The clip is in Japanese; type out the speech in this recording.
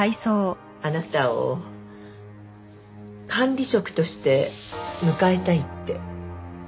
あなたを管理職として迎えたいって。